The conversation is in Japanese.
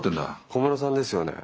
小室さんですよね？